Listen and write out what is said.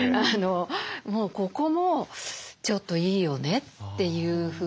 もうここもちょっといいよねというふうに。